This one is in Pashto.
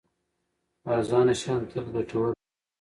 ارزانه شیان تل ګټور نه وي.